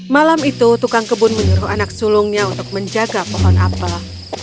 malam itu tukang kebun menyuruh anak sulungnya untuk menjaga pohon apel